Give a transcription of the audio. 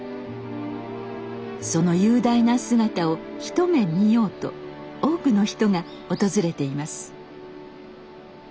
その雄大な姿を一目見ようと多くの人が訪れています。